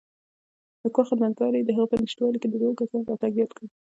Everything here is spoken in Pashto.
د کور خدمتګار یې دهغه په نشتوالي کې د دوو کسانو راتګ یاد کړ.